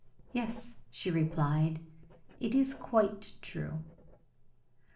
"Yes," she replied; "it is quite true."